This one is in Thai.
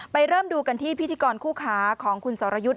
เริ่มดูกันที่พิธีกรคู่ค้าของคุณสรยุทธ์